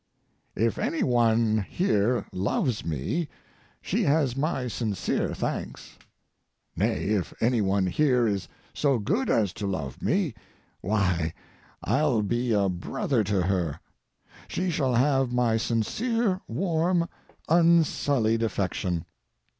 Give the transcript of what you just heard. If any one here loves me, she has my sincere thanks. Nay, if any one here is so good as to love me—why, I'll be a brother to her. She shall have my sincere, warm, unsullied affection.